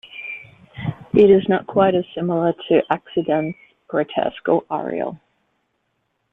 It is not quite as similar to Akzidenz Grotesk or Arial.